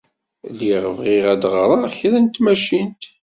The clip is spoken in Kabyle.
Lliɣ bɣiɣ ad ɣreɣ kra deg tmacint.